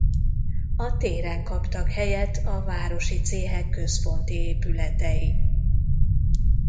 A téren kaptak helyet a városi céhek központi épületei.